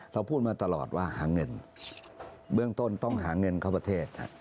เราพูดมาตลอดว่าหาเงินเบื้องต้นต้องหาเงินเข้าประเทศ